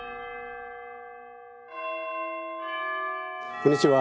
こんにちは。